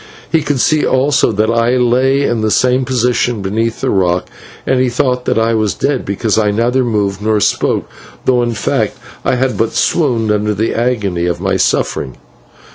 He could see also that I lay in the same position beneath the rock, and he thought that I was dead, because I neither moved nor spoke, though, in fact, I had but swooned under the agony of my suffering.